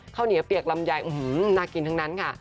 ข้าวเหนียวเปียกลำไยน่ากินทั้งนั้นค่ะ